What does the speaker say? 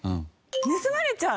盗まれちゃう？